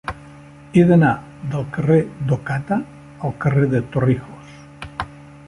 He d'anar del carrer d'Ocata al carrer de Torrijos.